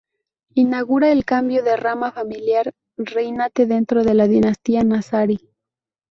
Inaugura el cambio de rama familiar reinante dentro de la dinastía nazarí.